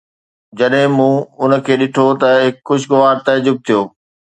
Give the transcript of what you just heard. جڏهن مون ان کي ڏٺو ته هڪ خوشگوار تعجب ٿيو